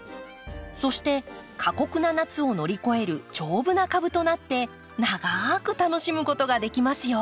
そして過酷な夏を乗り越える丈夫な株となって長く楽しむことができますよ。